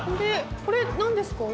これ何ですか？